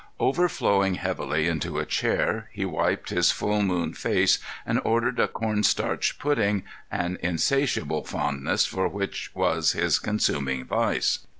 Overflowing heavily into a chair, he wiped his full moon face and ordered a corn starch pudding, an insatiable fondness for which was his consuming vice.